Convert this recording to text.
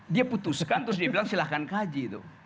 dia putuskan terus dia bilang silahkan kaji tuh